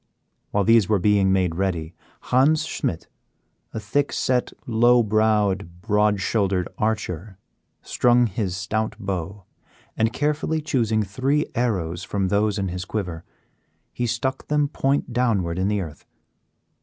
While these were being made ready, Hans Schmidt, a thick set, low browed, broad shouldered archer, strung his stout bow, and carefully choosing three arrows from those in his quiver, he stuck them point downward in the earth.